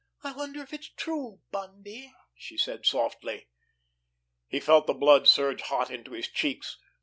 "I wonder if it's true, Bundy?" she said softly. He felt the blood surge hot into his cheeks.